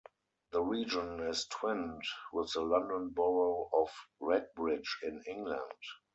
The region is twinned with the London Borough of Redbridge in England.